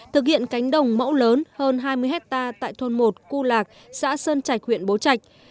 thực hiện cánh đồng mẫu lớn hơn hai mươi hectare tại thôn một cô lạc xã sơn trạch huyện bố trạch